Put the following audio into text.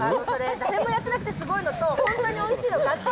それ、誰もやってなくてすごいのと、本当においしいのか？